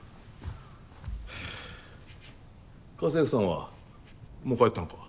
ふぅ家政婦さんはもう帰ったのか？